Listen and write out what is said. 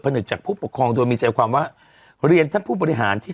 นึกจากผู้ปกครองโดยมีใจความว่าเรียนท่านผู้บริหารที่